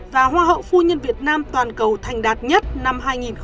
và hoa hậu phu nhân việt nam toàn cầu thành đạt nhất năm hai nghìn một mươi